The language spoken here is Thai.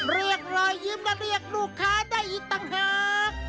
รอยยิ้มและเรียกลูกค้าได้อีกต่างหาก